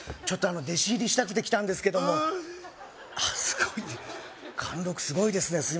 ちょっとあの弟子入りしたくて来たんですけどもすごい貫禄すごいですね